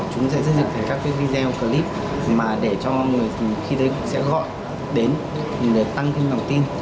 chúng sẽ xây dựng các cái video clip mà để cho người khi đấy sẽ gọi đến để tăng thêm lòng tin